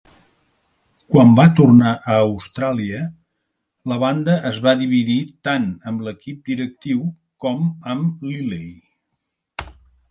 Quan va tornar a Austràlia, la banda es va dividir tant amb l"equip directiu com amb Lilley.